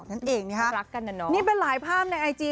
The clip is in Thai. นั่นเองนะครับนี่เป็นหลายภาพในไอจี